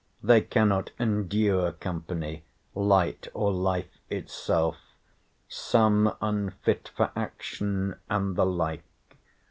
They cannot endure company, light, or life itself, some unfit for action, and the like.